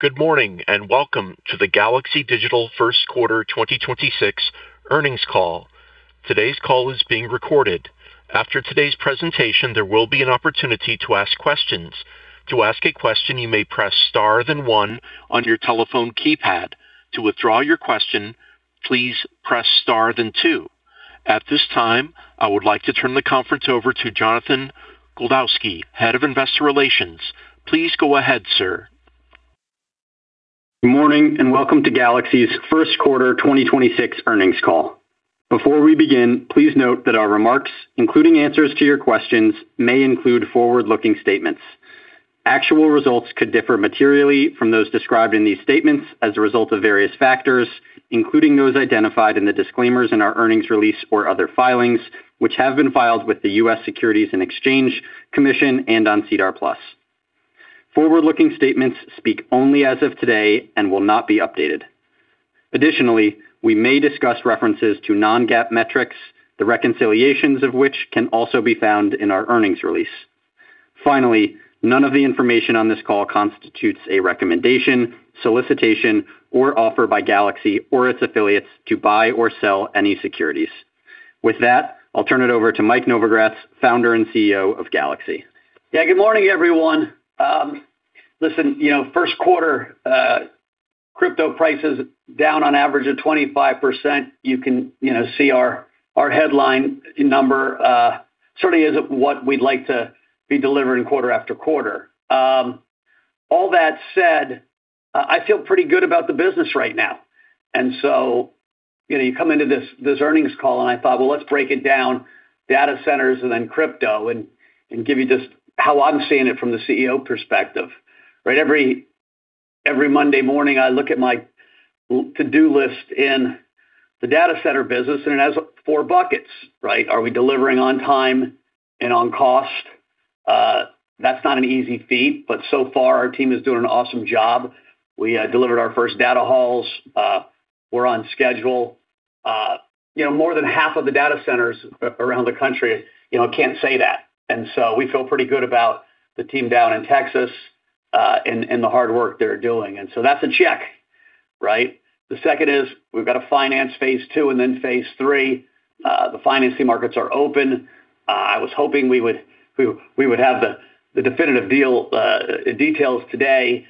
Good morning, welcome to the Galaxy Digital first quarter 2026 earnings call. Today's call is being recorded. After today's presentation, there will be an opportunity to ask questions. At this time, I would like to turn the conference over to Jonathan Goldowsky, Head of Investor Relations. Please go ahead, sir. Good morning, and welcome to Galaxy's first quarter 2026 earnings call. Before we begin, please note that our remarks, including answers to your questions, may include forward-looking statements. Actual results could differ materially from those described in these statements as a result of various factors, including those identified in the disclaimers in our earnings release or other filings, which have been filed with the U.S. Securities and Exchange Commission and on SEDAR+. Forward-looking statements speak only as of today and will not be updated. Additionally, we may discuss references to non-GAAP metrics, the reconciliations of which can also be found in our earnings release. Finally, none of the information on this call constitutes a recommendation, solicitation, or offer by Galaxy or its affiliates to buy or sell any securities. With that, I'll turn it over to Mike Novogratz, Founder and CEO of Galaxy. Yeah. Good morning, everyone. Listen, you know, first quarter, crypto prices down on average of 25%. You can, you know, see our headline number certainly isn't what we'd like to be delivering quarter after quarter. All that said, I feel pretty good about the business right now. You know, you come into this earnings call, and I thought, well, let's break it down data centers and then crypto and give you just how I'm seeing it from the CEO perspective, right? Every Monday morning, I look at my to-do list in the data center business, and it has four buckets, right? Are we delivering on time and on cost? That's not an easy feat, but so far, our team is doing an awesome job. We delivered our first data halls. We're on schedule. You know, more than half of the data centers around the country, you know, can't say that. We feel pretty good about the team down in Texas, and the hard work they're doing. That's a check, right? The second is we've got to finance Phase 2 and then Phase 3. The financing markets are open. I was hoping we would have the definitive deal details today.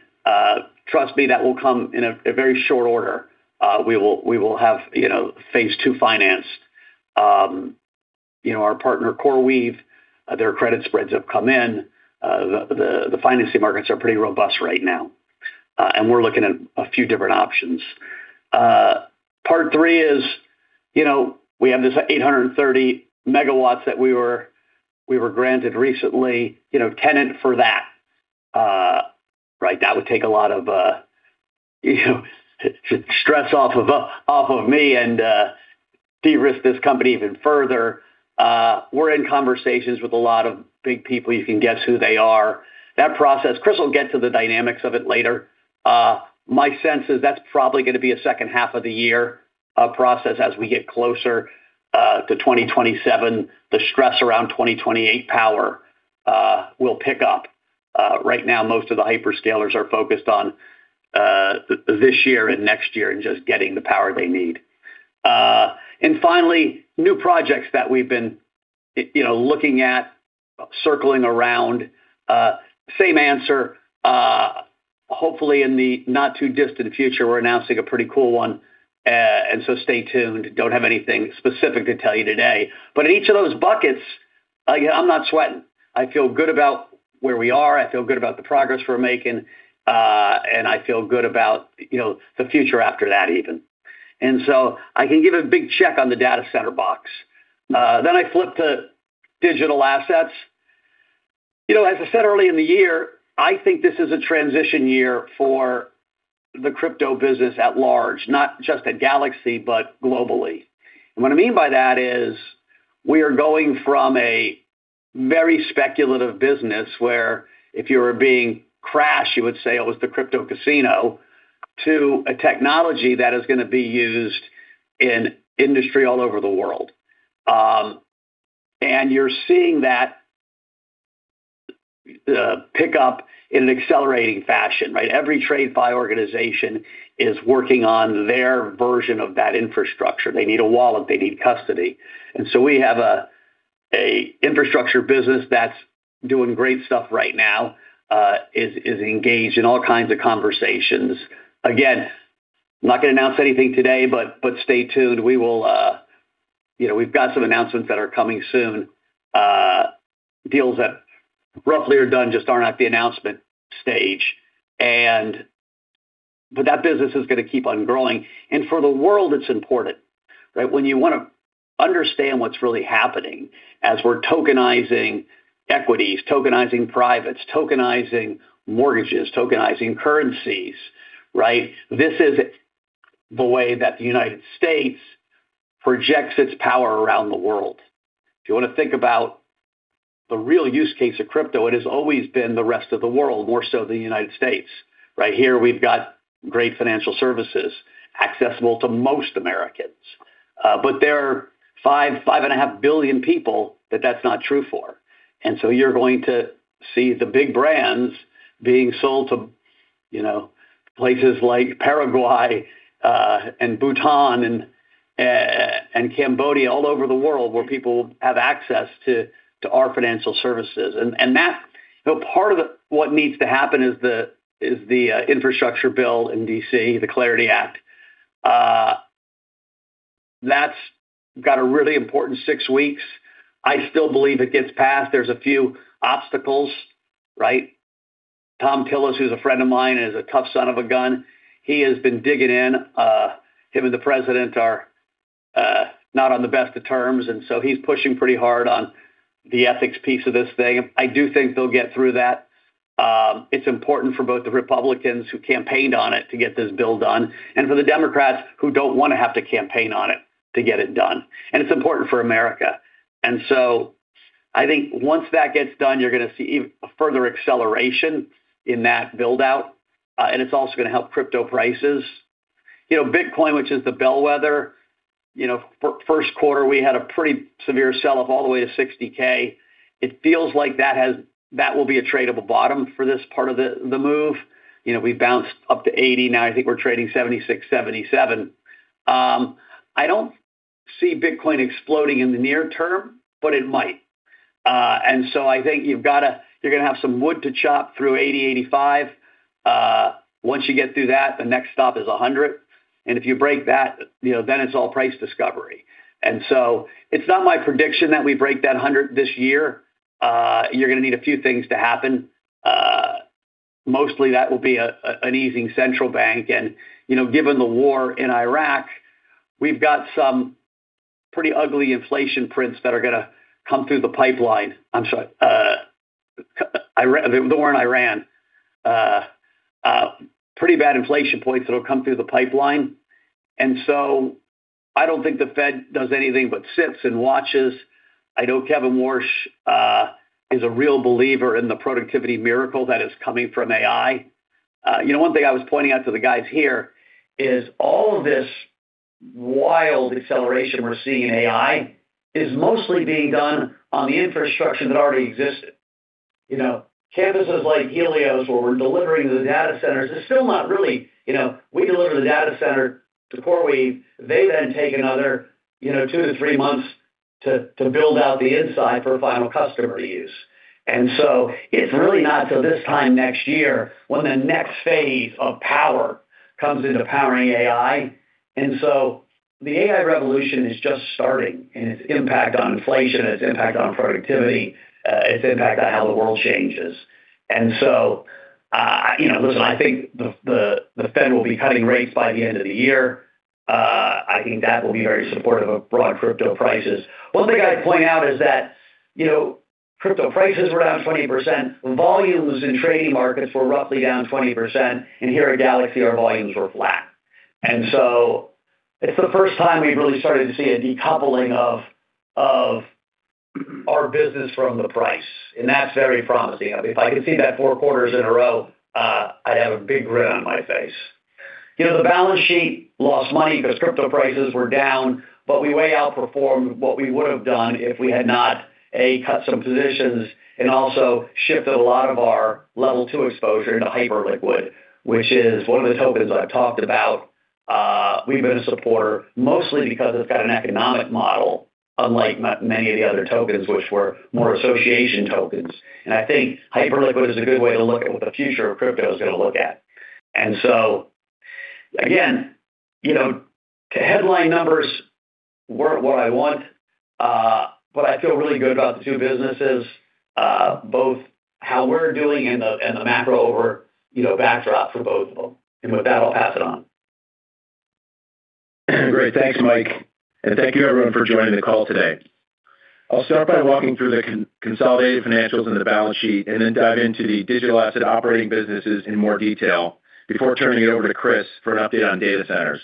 Trust me, that will come in a very short order. We will have, you know, Phase 2 financed. You know, our partner, CoreWeave, their credit spreads have come in. The financing markets are pretty robust right now, and we're looking at a few different options. Part three is, we have this 830 MW that we were granted recently, tenant for that. Right? That would take a lot of stress off of me and de-risk this company even further. We're in conversations with a lot of big people. You can guess who they are. That process, Chris will get to the dynamics of it later. My sense is that's probably gonna be a second half of the year process as we get closer to 2027. The stress around 2028 power will pick up. Right now, most of the hyperscalers are focused on this year and next year and just getting the power they need. And finally, new projects that we've been looking at, circling around. Same answer. Hopefully, in the not-too-distant future, we're announcing a pretty cool one. Stay tuned. Don't have anything specific to tell you today. In each of those buckets, like I'm not sweating. I feel good about where we are. I feel good about the progress we're making. I feel good about, you know, the future after that even. I can give a big check on the data center box. I flip to digital assets. You know, as I said early in the year, I think this is a transition year for the crypto business at large, not just at Galaxy, but globally. What I mean by that is we are going from a very speculative business where if you were being brash, you would say it was the crypto casino, to a technology that is gonna be used in industry all over the world. You're seeing that pick up in an accelerating fashion, right? Every TradFi organization is working on their version of that infrastructure. They need a wallet, they need custody. We have a infrastructure business that's doing great stuff right now, is engaged in all kinds of conversations. Again, I'm not gonna announce anything today, but stay tuned. We will, you know, we've got some announcements that are coming soon. Deals that roughly are done just aren't at the announcement stage. That business is gonna keep on growing. For the world it's important, right? When you wanna understand what's really happening as we're tokenizing equities, tokenizing privates, tokenizing mortgages, tokenizing currencies, right? This is the way that the United States projects its power around the world. If you wanna think about the real use case of crypto, it has always been the rest of the world, more so than the United States. Right here, we've got great financial services accessible to most Americans. But there are $5.5 billion people that that's not true for. You're going to see the big brands being sold to, you know, places like Paraguay, and Bhutan and Cambodia all over the world where people have access to our financial services. Part of what needs to happen is the infrastructure bill in D.C., the CLARITY Act. That's got a really important six weeks. I still believe it gets passed. There's a few obstacles, right? Thom Tillis, who's a friend of mine, is a tough son of a gun. He has been digging in. Him and the President are not on the best of terms, and so he's pushing pretty hard on the ethics piece of this thing. I do think they'll get through that. It's important for both the Republicans who campaigned on it to get this bill done, and for the Democrats who don't wanna have to campaign on it to get it done. It's important for America. I think once that gets done, you're gonna see further acceleration in that build-out, and it's also gonna help crypto prices. You know, Bitcoin, which is the bellwether, you know, for first quarter, we had a pretty severe sell-off all the way to 60K. It feels like that will be a tradable bottom for this part of the move. You know, we bounced up to 80 now. I think we're trading 76, 77. I don't see Bitcoin exploding in the near term, but it might. I think you're gonna have some wood to chop through 80, 85. Once you get through that, the next stop is 100. If you break that, you know, then it's all price discovery. It's not my prediction that we break that 100 this year. You're gonna need a few things to happen. Mostly that will be an easing central bank. You know, given the war in Iraq, we've got some pretty ugly inflation prints that are gonna come through the pipeline. I'm sorry, the war in Iran. Pretty bad inflation points that'll come through the pipeline. I don't think the Fed does anything but sits and watches. I know Kevin Warsh is a real believer in the productivity miracle that is coming from AI. You know, one thing I was pointing out to the guys here is all of this wild acceleration we're seeing in AI is mostly being done on the infrastructure that already existed. You know, campuses like Helios, where we're delivering the data centers. You know, we deliver the data center to CoreWeave, they then take another, you know, 2-3 months to build out the inside for a final customer to use. It's really not till this time next year when the next phase of power comes into powering AI. The AI revolution is just starting, and its impact on inflation, its impact on productivity, its impact on how the world changes. You know, listen, I think the Fed will be cutting rates by the end of the year. I think that will be very supportive of broad crypto prices. One thing I'd point out is that, you know, crypto prices were down 20%, volumes in trading markets were roughly down 20%, and here at Galaxy, our volumes were flat. It's the first time we've really started to see a decoupling of our business from the price, and that's very promising. I mean, if I could see that fourth quarters in a row, I'd have a big grin on my face. You know, the balance sheet lost money because crypto prices were down, but we way outperformed what we would have done if we had not cut some positions and also shifted a lot of our level two exposure into Hyperliquid, which is one of the tokens I've talked about. We've been a supporter mostly because it's got an economic model, unlike many of the other tokens, which were more association tokens. I think Hyperliquid is a good way to look at what the future of crypto is gonna look at. Again, you know, to headline numbers weren't what I want, but I feel really good about the two businesses, both how we're doing and the macro over, you know, backdrop for both of them. With that, I'll pass it on. Great. Thanks, Mike Novogratz. Thank you everyone for joining the call today. I'll start by walking through the consolidated financials and the balance sheet, then dive into the digital asset operating businesses in more detail before turning it over to Christopher Ferraro for an update on data centers.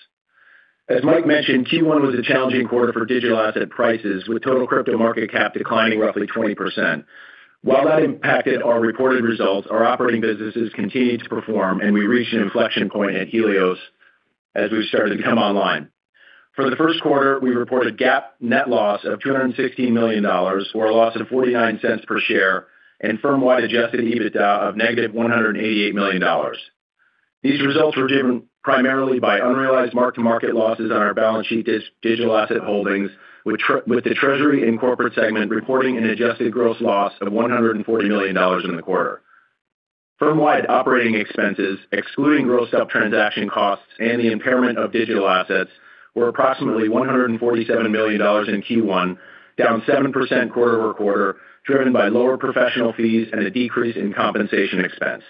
As Mike Novogratz mentioned, Q1 was a challenging quarter for digital asset prices, with total crypto market cap declining roughly 20%. While that impacted our reported results, our operating businesses continued to perform, we reached an inflection point at Helios as we've started to come online. For the first quarter, we reported GAAP net loss of $216 million, or a loss of $0.49 per share, firmwide adjusted EBITDA of negative $188 million. These results were driven primarily by unrealized mark-to-market losses on our balance sheet digital asset holdings, with the treasury and corporate segment reporting an adjusted gross loss of $140 million in the quarter. Firmwide operating expenses, excluding grossed-up transaction costs and the impairment of digital assets, were approximately $147 million in Q1, down 7% quarter-over-quarter, driven by lower professional fees and a decrease in compensation expense.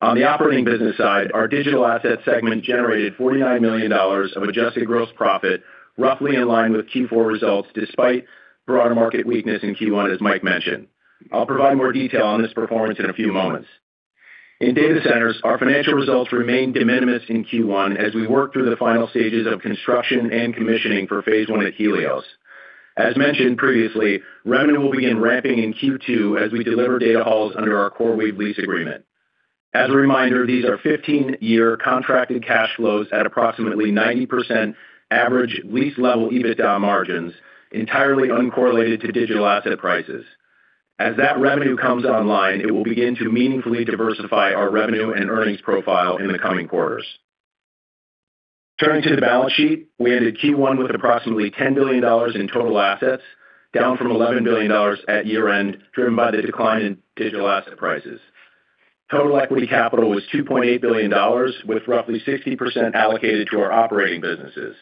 On the operating business side, our digital asset segment generated $49 million of adjusted gross profit, roughly in line with Q4 results, despite broader market weakness in Q1, as Mike mentioned. I'll provide more detail on this performance in a few moments. In data centers, our financial results remained de minimis in Q1 as we worked through the final stages of construction and commissioning for Phase 1 at Helios. As mentioned previously, revenue will begin ramping in Q2 as we deliver data halls under our CoreWeave lease agreement. As a reminder, these are 15-year contracted cash flows at approximately 90% average lease level EBITDA margins, entirely uncorrelated to digital asset prices. As that revenue comes online, it will begin to meaningfully diversify our revenue and earnings profile in the coming quarters. Turning to the balance sheet, we ended Q1 with approximately $10 billion in total assets, down from $11 billion at year-end, driven by the decline in digital asset prices. Total equity capital was $2.8 billion, with roughly 60% allocated to our operating businesses.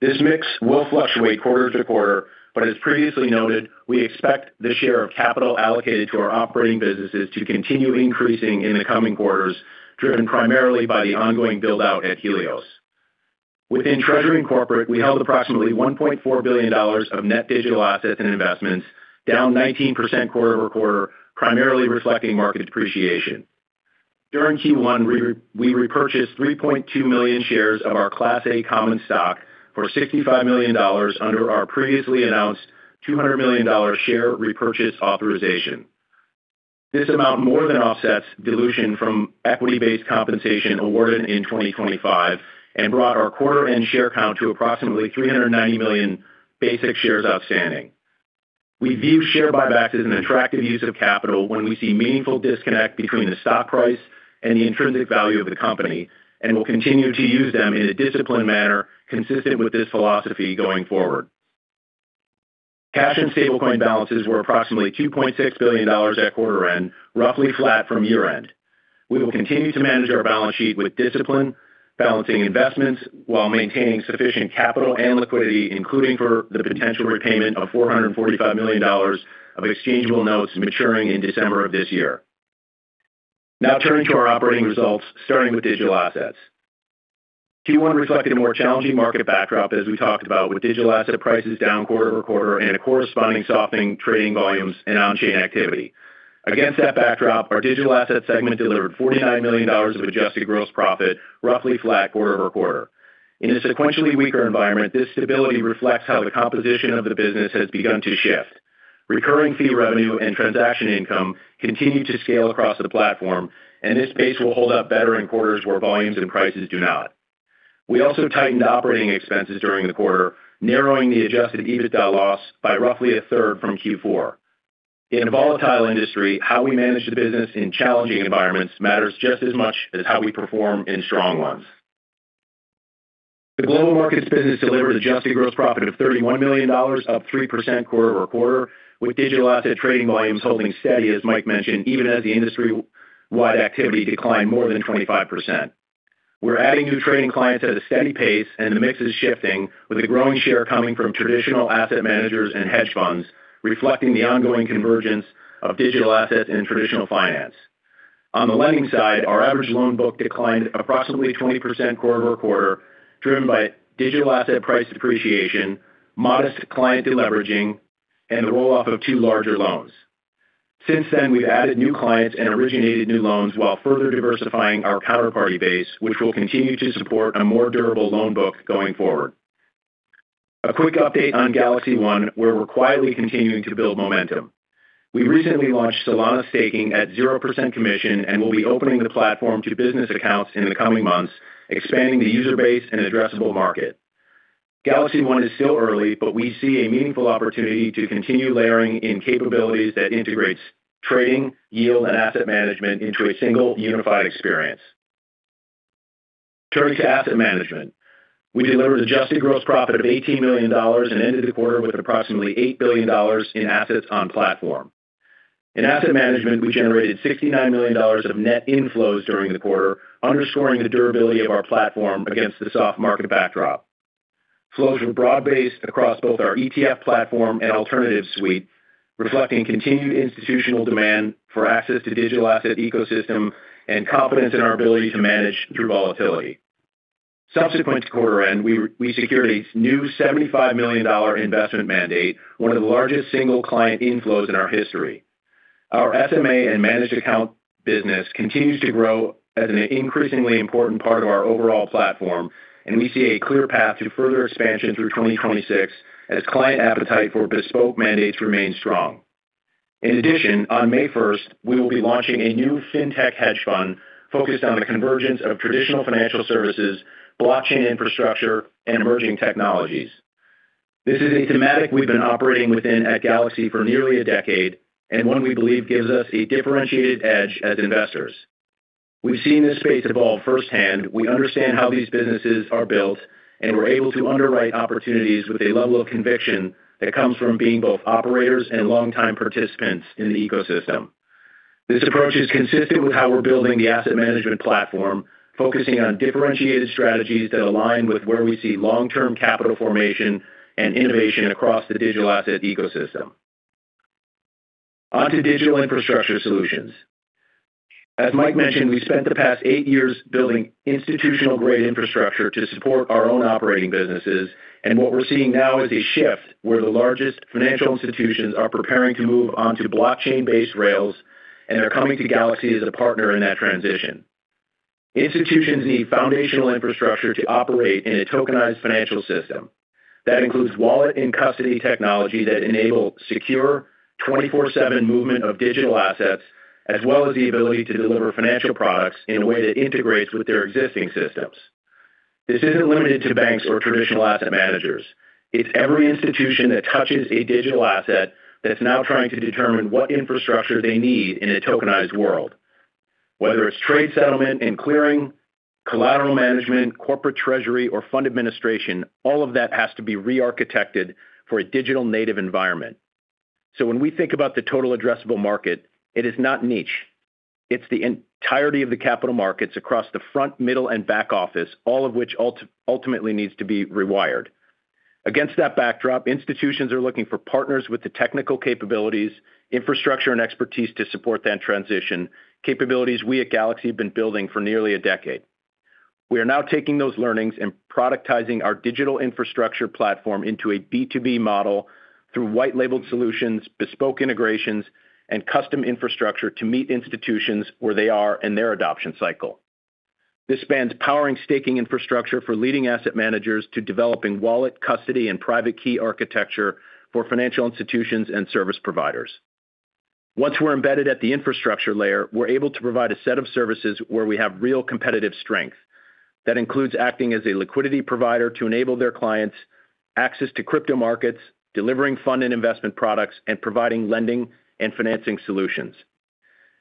This mix will fluctuate quarter to quarter, but as previously noted, we expect the share of capital allocated to our operating businesses to continue increasing in the coming quarters, driven primarily by the ongoing build-out at Helios. Within Treasury and Corporate, we held approximately $1.4 billion of net digital assets and investments, down 19% quarter-over-quarter, primarily reflecting market depreciation. During Q1, we repurchased 3.2 million shares of our Class A common stock for $65 million under our previously announced $200 million share repurchase authorization. This amount more than offsets dilution from equity-based compensation awarded in 2025 and brought our quarter-end share count to approximately 390 million basic shares outstanding. We view share buybacks as an attractive use of capital when we see meaningful disconnect between the stock price and the intrinsic value of the company, and we'll continue to use them in a disciplined manner consistent with this philosophy going forward. Cash and stablecoin balances were approximately $2.6 billion at quarter-end, roughly flat from year-end. We will continue to manage our balance sheet with discipline, balancing investments while maintaining sufficient capital and liquidity, including for the potential repayment of $445 million of exchangeable notes maturing in December of this year. Now turning to our operating results, starting with digital assets. Q1 reflected a more challenging market backdrop, as we talked about, with digital asset prices down quarter-over-quarter and a corresponding softening trading volumes and on-chain activity. Against that backdrop, our digital asset segment delivered $49 million of adjusted gross profit, roughly flat quarter-over-quarter. In a sequentially weaker environment, this stability reflects how the composition of the business has begun to shift. Recurring fee revenue and transaction income continue to scale across the platform, and this pace will hold up better in quarters where volumes and prices do not. We also tightened operating expenses during the quarter, narrowing the adjusted EBITDA loss by roughly a third from Q4. In a volatile industry, how we manage the business in challenging environments matters just as much as how we perform in strong ones. The global markets business delivered adjusted gross profit of $31 million, up 3% quarter-over-quarter, with digital asset trading volumes holding steady, as Mike mentioned, even as the industry-wide activity declined more than 25%. We're adding new trading clients at a steady pace, and the mix is shifting, with a growing share coming from traditional asset managers and hedge funds, reflecting the ongoing convergence of digital assets in traditional finance. On the lending side, our average loan book declined approximately 20% quarter-over-quarter, driven by digital asset price depreciation, modest client deleveraging, and the roll-off of two larger loans. Since then, we've added new clients and originated new loans while further diversifying our counterparty base, which will continue to support a more durable loan book going forward. A quick update on GalaxyOne, where we're quietly continuing to build momentum. We recently launched Solana Staking at 0% commission and will be opening the platform to business accounts in the coming months, expanding the user base and addressable market. GalaxyOne is still early, but we see a meaningful opportunity to continue layering in capabilities that integrates trading, yield, and asset management into a single unified experience. Turning to asset management. We delivered adjusted gross profit of $18 million and ended the quarter with approximately $8 billion in assets on platform. In asset management, we generated $69 million of net inflows during the quarter, underscoring the durability of our platform against the soft market backdrop. Flows were broad-based across both our ETF platform and alternatives suite, reflecting continued institutional demand for access to digital asset ecosystem and confidence in our ability to manage through volatility. Subsequent to quarter end, we secured a new $75 million investment mandate, one of the largest single client inflows in our history. Our SMA and managed account business continues to grow as an increasingly important part of our overall platform. We see a clear path to further expansion through 2026 as client appetite for bespoke mandates remains strong. In addition, on May first, we will be launching a new fintech hedge fund focused on the convergence of traditional financial services, blockchain infrastructure, and emerging technologies. This is a thematic we've been operating within at Galaxy for nearly a decade. One we believe gives us a differentiated edge as investors. We've seen this space evolve firsthand. We understand how these businesses are built, and we're able to underwrite opportunities with a level of conviction that comes from being both operators and longtime participants in the ecosystem. Onto digital infrastructure solutions. As Mike mentioned, we spent the past eight years building institutional-grade infrastructure to support our own operating businesses, and what we're seeing now is a shift where the largest financial institutions are preparing to move onto blockchain-based rails, and they're coming to Galaxy as a partner in that transition. Institutions need foundational infrastructure to operate in a tokenized financial system. That includes wallet and custody technology that enable secure 24/7 movement of digital assets, as well as the ability to deliver financial products in a way that integrates with their existing systems. This isn't limited to banks or traditional asset managers. It's every institution that touches a digital asset that's now trying to determine what infrastructure they need in a tokenized world. Whether it's trade settlement and clearing, collateral management, corporate treasury, or fund administration, all of that has to be re-architected for a digital native environment. When we think about the total addressable market, it is not niche. It's the entirety of the capital markets across the front, middle, and back office, all of which ultimately needs to be rewired. Against that backdrop, institutions are looking for partners with the technical capabilities, infrastructure, and expertise to support that transition, capabilities we at Galaxy have been building for nearly a decade. We are now taking those learnings and productizing our digital infrastructure platform into a B2B model through white-labeled solutions, bespoke integrations, and custom infrastructure to meet institutions where they are in their adoption cycle. This span powering staking infrastructure for leading asset managers to developing wallet, custody, and private key architecture for financial institutions and service providers. Once we're embedded at the infrastructure layer, we're able to provide a set of services where we have real competitive strength. That includes acting as a liquidity provider to enable their clients access to crypto markets, delivering fund and investment products, and providing lending and financing solutions.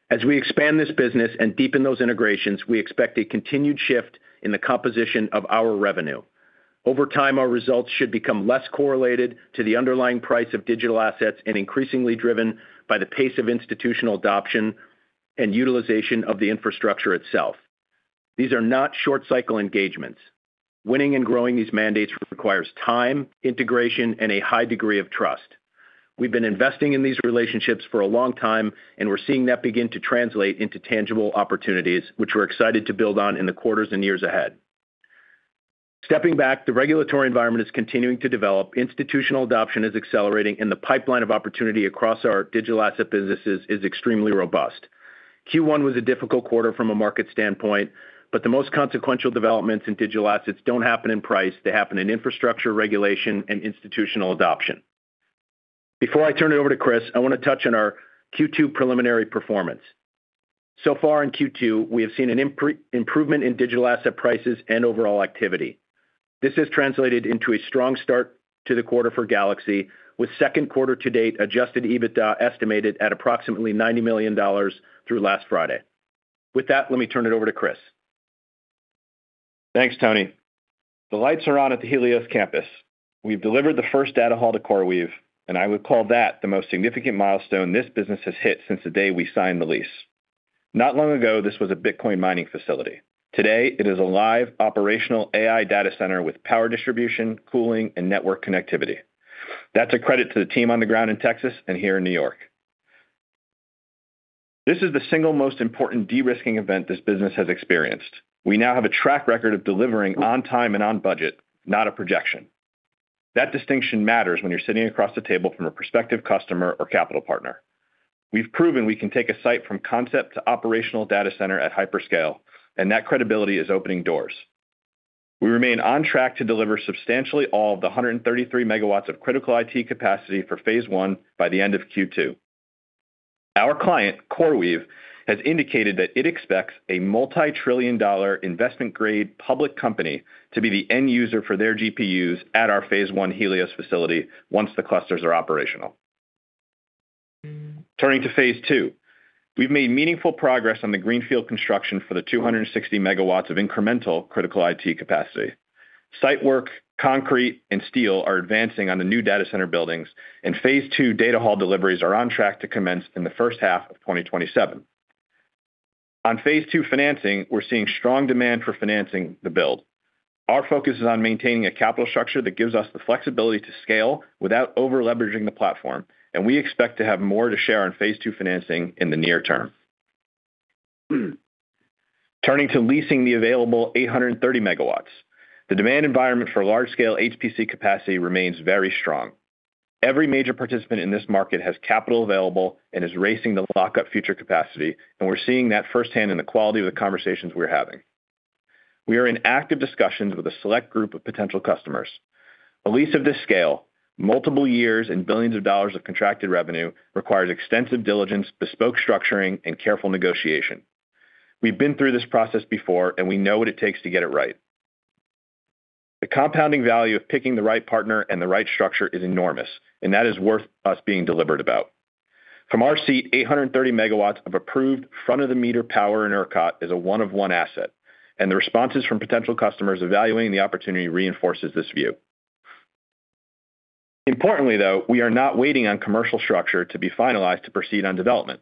As we expand this business and deepen those integrations, we expect a continued shift in the composition of our revenue. Over time, our results should become less correlated to the underlying price of digital assets and increasingly driven by the pace of institutional adoption and utilization of the infrastructure itself. These are not short-cycle engagements. Winning and growing these mandates requires time, integration, and a high degree of trust. We've been investing in these relationships for a long time, and we're seeing that begin to translate into tangible opportunities, which we're excited to build on in the quarters and years ahead. Stepping back, the regulatory environment is continuing to develop, institutional adoption is accelerating, and the pipeline of opportunity across our digital asset businesses is extremely robust. Q1 was a difficult quarter from a market standpoint. The most consequential developments in digital assets don't happen in price, they happen in infrastructure regulation and institutional adoption. Before I turn it over to Christopher Ferraro, I want to touch on our Q2 preliminary performance. So far in Q2, we have seen an improvement in digital asset prices and overall activity. This has translated into a strong start to the quarter for Galaxy Digital, with second quarter to date adjusted EBITDA estimated at approximately $90 million through last Friday. With that, let me turn it over to Chris. Thanks, Tony. The lights are on at the Helios campus. We've delivered the first data hall to CoreWeave, and I would call that the most significant milestone this business has hit since the day we signed the lease. Not long ago, this was a Bitcoin mining facility. Today, it is a live operational AI data center with power distribution, cooling, and network connectivity. That's a credit to the team on the ground in Texas and here in New York. This is the single most important de-risking event this business has experienced. We now have a track record of delivering on time and on budget, not a projection. That distinction matters when you're sitting across the table from a prospective customer or capital partner. We've proven we can take a site from concept to operational data center at hyperscale, and that credibility is opening doors. We remain on track to deliver substantially all of the 133 MW of critical IT capacity for Phase 1 by the end of Q2. Our client, CoreWeave, has indicated that it expects a $multi-trillion investment-grade public company to be the end user for their GPUs at our Phase 1 Helios facility once the clusters are operational. Turning to Phase 2, we've made meaningful progress on the greenfield construction for the 260 MW of incremental critical IT capacity. Site work, concrete, and steel are advancing on the new data center buildings, and Phase 2 data hall deliveries are on track to commence in the first half of 2027. On Phase 2 financing, we're seeing strong demand for financing the build. Our focus is on maintaining a capital structure that gives us the flexibility to scale without over-leveraging the platform, and we expect to have more to share on Phase 2 financing in the near term. Turning to leasing the available 830 MW, the demand environment for large-scale HPC capacity remains very strong. Every major participant in this market has capital available and is racing to lock up future capacity, and we're seeing that firsthand in the quality of the conversations we're having. We are in active discussions with a select group of potential customers. A lease of this scale, multiple years and $ billions of contracted revenues, requires extensive diligence, bespoke structuring, and careful negotiation. We've been through this process before, and we know what it takes to get it right. The compounding value of picking the right partner and the right structure is enormous, and that is worth us being deliberate about. From our seat, 830 MW of approved front-of-the-meter power in ERCOT is a one-of-one asset, and the responses from potential customers evaluating the opportunity reinforces this view. Importantly, though, we are not waiting on commercial structure to be finalized to proceed on development.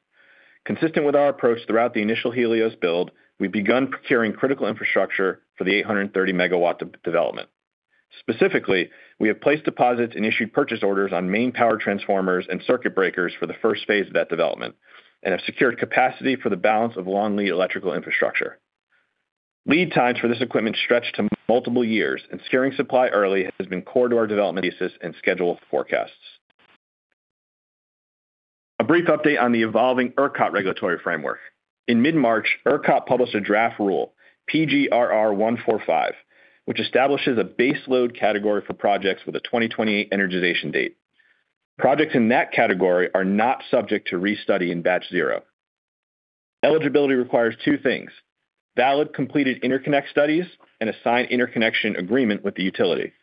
Consistent with our approach throughout the initial Helios build, we've begun procuring critical infrastructure for the 830 MW de-development. Specifically, we have placed deposits and issued purchase orders on main power transformers and circuit breakers for the first phase of that development and have secured capacity for the balance of long-lead electrical infrastructure. Lead times for this equipment stretch to multiple years, and securing supply early has been core to our development thesis and schedule forecasts. A brief update on the evolving ERCOT regulatory framework. In mid-March, ERCOT published a draft rule, PGRR145, which establishes a base load category for projects with a 2028 energization date. Projects in that category are not subject to re-study in Batch 0. Eligibility requires two things: valid completed interconnect studies and assigned interconnection agreement with the utility.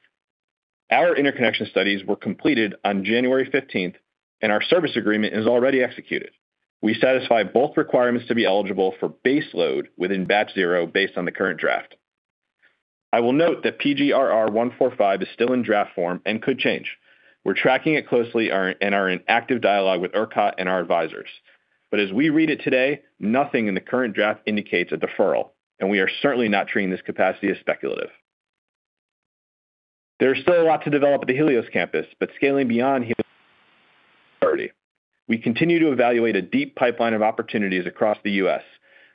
Our interconnection studies were completed on January 15, and our service agreement is already executed. We satisfy both requirements to be eligible for base load within Batch 0 based on the current draft. I will note that PGRR145 is still in draft form and could change. We're tracking it closely and are in active dialogue with ERCOT and our advisors. As we read it today, nothing in the current draft indicates a deferral, and we are certainly not treating this capacity as speculative. There is still a lot to develop at the Helios campus, but scaling beyond Helios is a priority. We continue to evaluate a deep pipeline of opportunities across the U.S.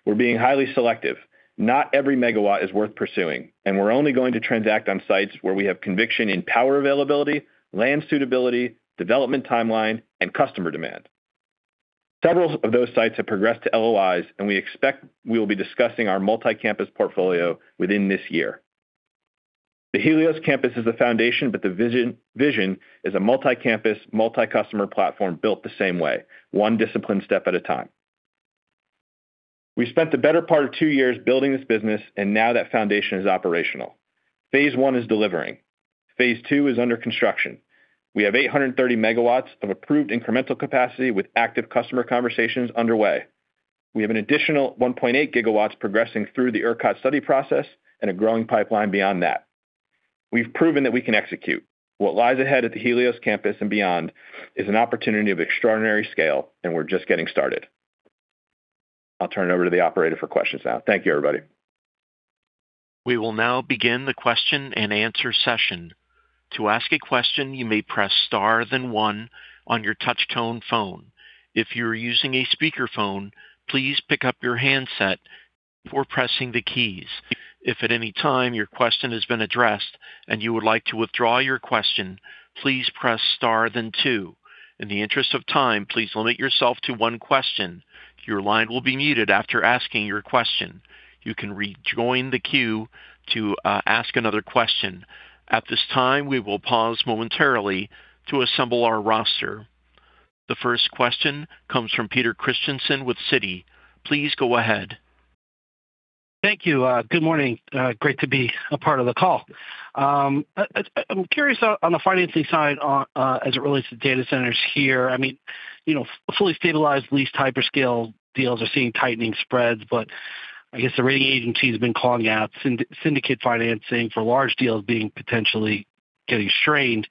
We're being highly selective. Not every megawatt is worth pursuing, and we're only going to transact on sites where we have conviction in power availability, land suitability, development timeline, and customer demand. Several of those sites have progressed to LOIs, and we expect we will be discussing our multi-campus portfolio within this year. The Helios campus is the foundation, but the vision is a multi-campus, multi-customer platform built the same way, one disciplined step at a time. We spent the better part of two years building this business, and now that foundation is operational. Phase 1 is delivering. Phase 2 is under construction. We have 830 MW of approved incremental capacity with active customer conversations underway. We have an additional 1.8 GW progressing through the ERCOT study process and a growing pipeline beyond that. We've proven that we can execute. What lies ahead at the Helios campus and beyond is an opportunity of extraordinary scale, and we're just getting started. I'll turn it over to the operator for questions now. Thank you, everybody. We will now begin the question-and-answer session. To ask a question, you may press star then one on your touch tone phone. If you're using a speaker phone, please pick up your handset before pressing the keys. If at any time your question has been addressed and you would like to withdraw your question, please press star then two. In the interest of time, please limit yourself to one question. Your line will be muted after asking your question. You can rejoin the queue to ask another question. At this time, we will pause momentarily to assemble our roster. The first question comes from Peter Christiansen, with Citi. Please go ahead. Thank you. Good morning. Great to be a part of the call. I'm curious on the financing side on, as it relates to data centers here. I mean, you know, fully stabilized lease hyperscale deals are seeing tightening spreads, but I guess the rating agency has been calling out syndicate financing for large deals being potentially getting strained.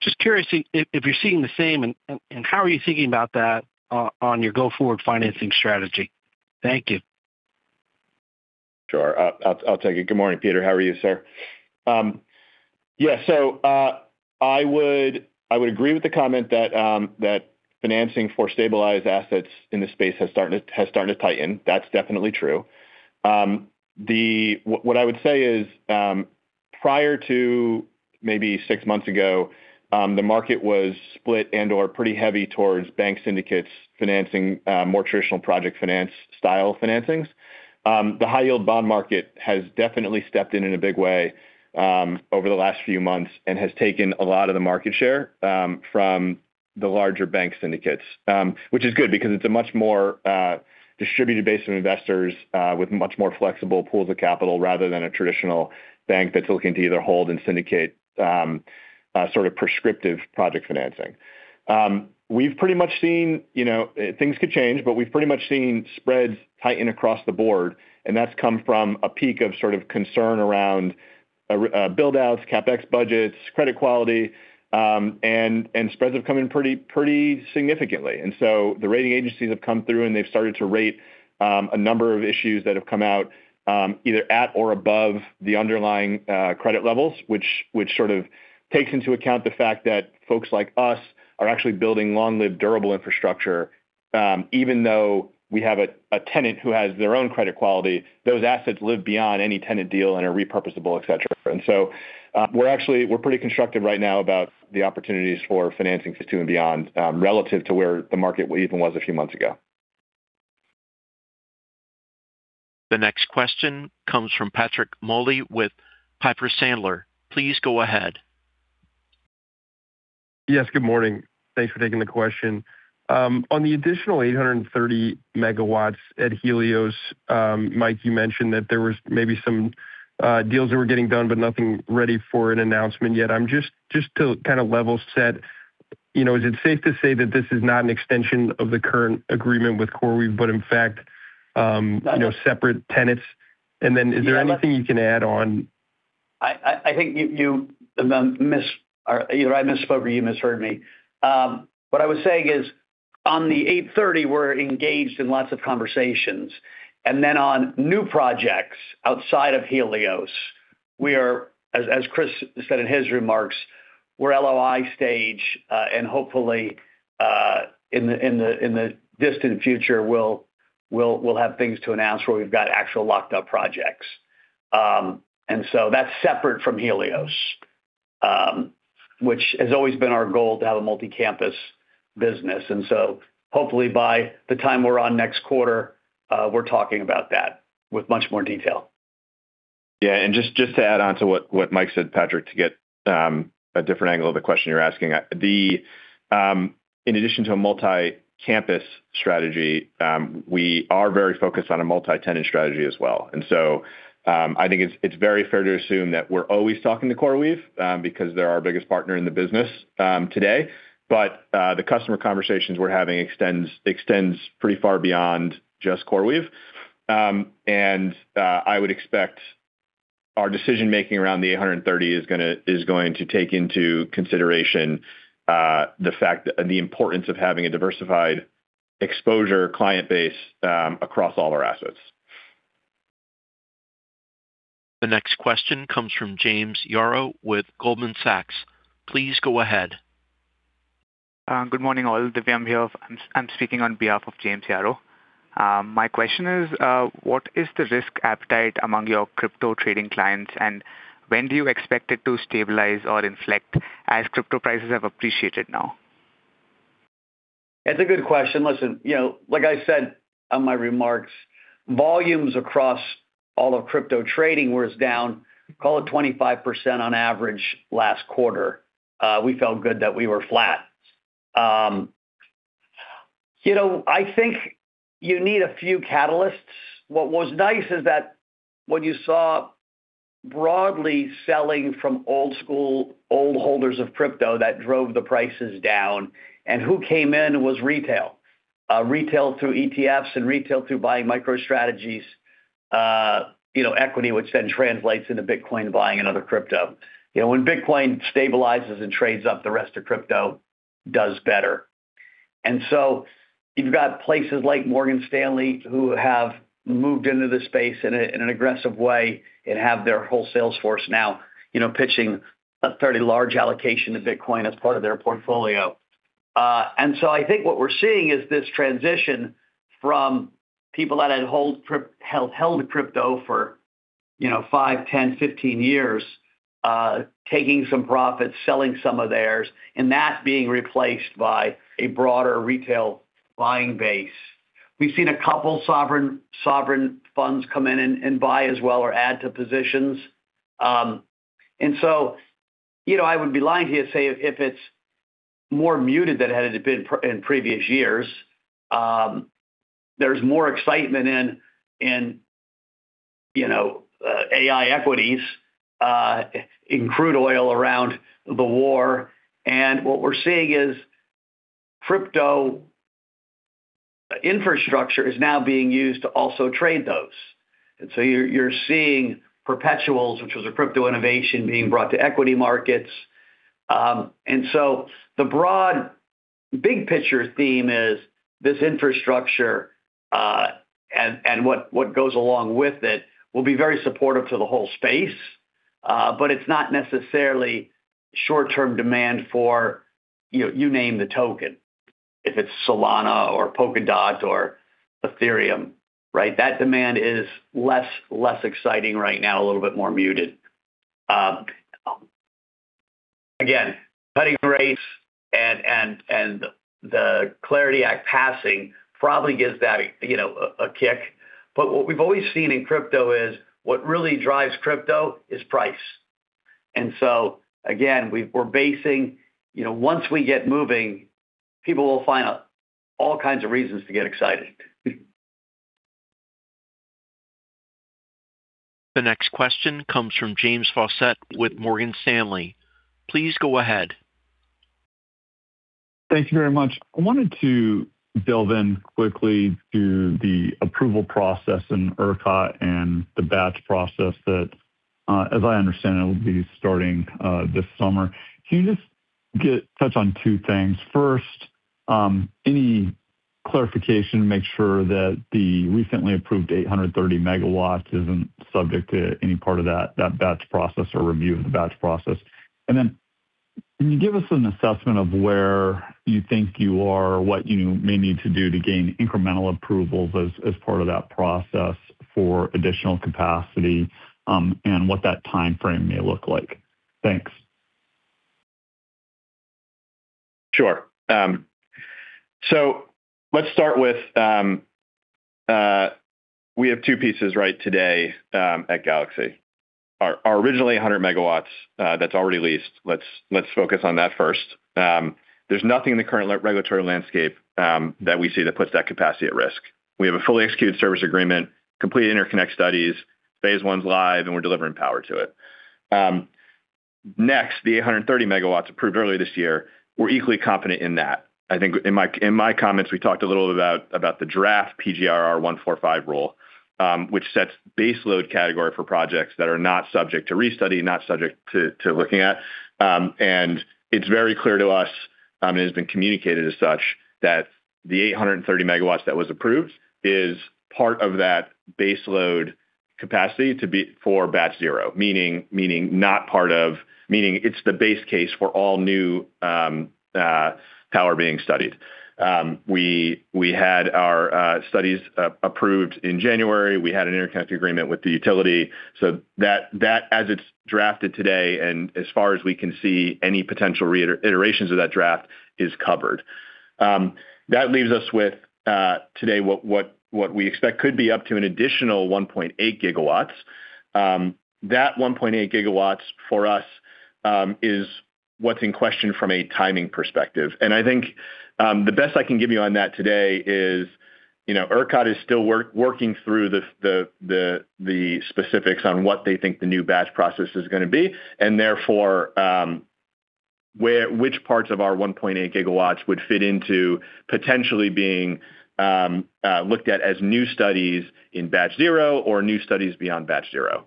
Just curious if you're seeing the same and how are you thinking about that on your go-forward financing strategy. Thank you. Sure. I'll take it. Good morning, Peter. How are you, sir? Yeah. I would agree with the comment that financing for stabilized assets in this space has started to tighten. That's definitely true. What I would say is, prior to maybe 6 months ago, the market was split and/or pretty heavy towards bank syndicates financing, more traditional project finance style financings. The high yield bond market has definitely stepped in in a big way over the last few months and has taken a lot of the market share from the larger bank syndicates, which is good because it's a much more distributed base of investors with much more flexible pools of capital rather than a traditional bank that's looking to either hold and syndicate a sort of prescriptive project financing. We've pretty much seen, you know, things could change, but we've pretty much seen spreads tighten across the board, and that's come from a peak of sort of concern around buildouts, CapEx budgets, credit quality, and spreads have come in pretty significantly. The rating agencies have come through, and they've started to rate a number of issues that have come out either at or above the underlying credit levels, which sort of takes into account the fact that folks like us are actually building long-lived, durable infrastructure. Even though we have a tenant who has their own credit quality, those assets live beyond any tenant deal and are repurposable, et cetera. We're pretty constructive right now about the opportunities for financing for two and beyond relative to where the market even was a few months ago. The next question comes from Patrick Moley with Piper Sandler. Please go ahead. Yes, good morning. Thanks for taking the question. On the additional 830 MW at Helios, Mike, you mentioned that there was maybe some deals that were getting done, but nothing ready for an announcement yet. Just to kind of level set, you know, is it safe to say that this is not an extension of the current agreement with CoreWeave, but in fact, you know, separate tenants? Is there anything you can add on? Either I misspoke or you misheard me. What I was saying is on the eight thirty, we're engaged in lots of conversations. On new projects outside of Helios, we are, as Christopher Ferraro said in his remarks, we're LOI stage, and hopefully, in the distant future, we'll have things to announce where we've got actual locked up projects. That's separate from Helios. Which has always been our goal to have a multi-campus business. Hopefully by the time we're on next quarter, we're talking about that with much more detail. Just to add on to what Mike said, Patrick, to get a different angle of the question you're asking. In addition to a multi-campus strategy, we are very focused on a multi-tenant strategy as well. I think it's very fair to assume that we're always talking to CoreWeave because they're our biggest partner in the business today. The customer conversations we're having extends pretty far beyond just CoreWeave. I would expect our decision-making around the 830 is going to take into consideration the importance of having a diversified exposure client base across all our assets. The next question comes from James Yaro with Goldman Sachs. Please go ahead. Good morning, all. Divyam here. I'm speaking on behalf of James Yaro. My question is, what is the risk appetite among your crypto trading clients, and when do you expect it to stabilize or inflect as crypto prices have appreciated now? That's a good question. Listen, you know, like I said on my remarks, volumes across all of crypto trading was down, call it 25% on average last quarter. We felt good that we were flat. You know, I think you need a few catalysts. What was nice is that what you saw broadly selling from old school, old holders of crypto that drove the prices down and who came in was retail. Retail through ETFs and retail through buying MicroStrategy, you know, equity, which then translates into Bitcoin buying another crypto. You know, when Bitcoin stabilizes and trades up, the rest of crypto does better. You've got places like Morgan Stanley who have moved into the space in an aggressive way and have their whole sales force now, you know, pitching a fairly large allocation to Bitcoin as part of their portfolio. I think what we're seeing is this transition from people that had held crypto for, you know, 5, 10, 15 years, taking some profits, selling some of theirs, and that being replaced by a broader retail buying base. We've seen a couple sovereign funds come in and buy as well or add to positions. You know, I would be lying here say if it's more muted than it had been in previous years. There's more excitement in, you know, AI equities, in crude oil around the war. What we're seeing is crypto infrastructure is now being used to also trade those. You're seeing perpetuals, which was a crypto innovation being brought to equity markets. The broad big picture theme is this infrastructure, what goes along with it will be very supportive to the whole space. It's not necessarily short-term demand for you name the token. If it's Solana or Polkadot or Ethereum, right? That demand is less exciting right now, a little bit more muted. Again, cutting rates and the Clarity Act passing probably gives that a, you know, a kick. What we've always seen in crypto is what really drives crypto is price. Again, we're basing, you know, once we get moving, people will find all kinds of reasons to get excited. The next question comes from James Faucette with Morgan Stanley. Please go ahead. Thank you very much. I wanted to delve in quickly to the approval process in ERCOT and the batch process that, as I understand it, will be starting this summer. Can you just touch on two things? First, any clarification to make sure that the recently approved 830 MW isn't subject to any part of that batch process or review of the batch process? Can you give us an assessment of where you think you are or what you may need to do to gain incremental approvals as part of that process for additional capacity, and what that timeframe may look like? Thanks. Sure. Let's start with, we have two pieces right today at Galaxy. Our originally 100 MW that's already leased. Let's focus on that first. There's nothing in the current regulatory landscape that we see that puts that capacity at risk. We have a fully executed service agreement, complete interconnect studies, Phase 1 live, and we're delivering power to it. Next, the 830 MW approved earlier this year, we're equally confident in that. I think in my comments, we talked a little about the draft PGRR 145 rule, which sets baseload category for projects that are not subject to re-study, not subject to looking at. It's very clear to us, and it has been communicated as such, that the 830 MW that was approved is part of that baseload capacity to be for Batch 0, meaning it's the base case for all new power being studied. We had our studies approved in January. We had an interconnect agreement with the utility. That as it's drafted today, and as far as we can see any potential reiterations of that draft is covered. That leaves us with today what we expect could be up to an additional 1.8 GW. That 1.8 GW for us is what's in question from a timing perspective. I think, the best I can give you on that today is, you know, ERCOT is still working through the specifics on what they think the new batch process is gonna be, and therefore, which parts of our 1.8 GW would fit into potentially being looked at as new studies in Batch 0 or new studies beyond Batch 0.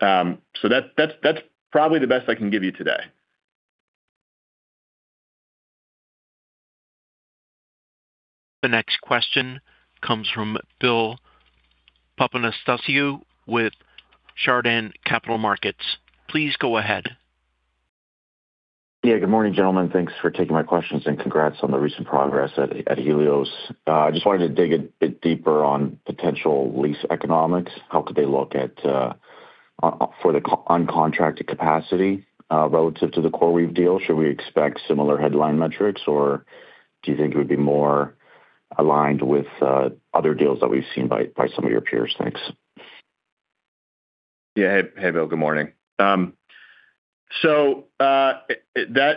So, that's probably the best I can give you today. The next question comes from Bill Papanastasiou with Chardan Capital Markets. Please go ahead. Good morning, gentlemen. Thanks for taking my questions, and congrats on the recent progress at Helios. I just wanted to dig a bit deeper on potential lease economics. How could they look for the uncontracted capacity relative to the CoreWeave deal? Should we expect similar headline metrics, or do you think it would be more aligned with other deals that we've seen by some of your peers? Thanks. Yeah. Hey, Bill, good morning. That